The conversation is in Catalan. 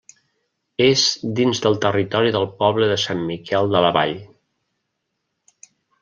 És dins del territori del poble de Sant Miquel de la Vall.